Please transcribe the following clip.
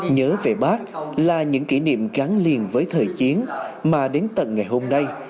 nhớ về bác là những kỷ niệm gắn liền với thời chiến mà đến tận ngày hôm nay